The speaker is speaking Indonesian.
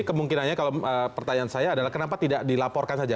kemungkinannya kalau pertanyaan saya adalah kenapa tidak dilaporkan saja